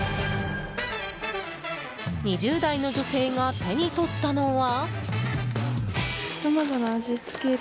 ２０代の女性が手に取ったのは。